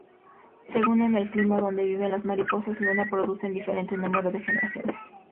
Según en el clima donde viven, las mariposas luna producen diferente número de generaciones.